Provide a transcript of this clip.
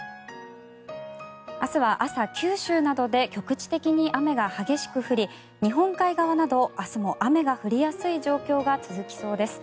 明日は朝、九州などで局地的に雨が激しく降り日本海側など明日も雨が降りやすい状況が続きそうです。